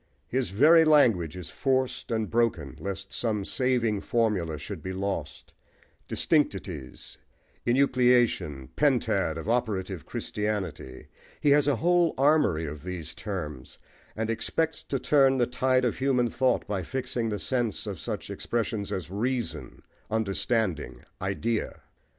His very language is forced and broken lest some saving formula should be lost distinctities, enucleation, pentad of operative Christianity; he has a whole armoury of these terms, and expects to turn the tide of human thought by fixing the sense of such expressions as "reason," "understanding," "idea."